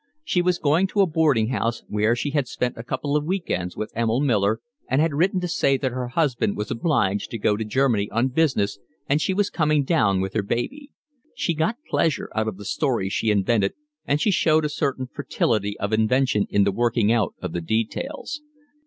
She was going to a boarding house where she had spent a couple of weekends with Emil Miller, and had written to say that her husband was obliged to go to Germany on business and she was coming down with her baby. She got pleasure out of the stories she invented, and she showed a certain fertility of invention in the working out of the details.